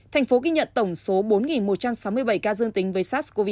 thành phố ghi nhận tổng số bốn một trăm sáu mươi bảy ca dương tính với sars cov hai